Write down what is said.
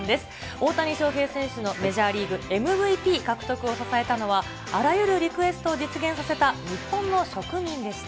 大谷翔平選手のメジャーリーグＭＶＰ獲得を支えたのは、あらゆるリクエストを実現させた日本の職人でした。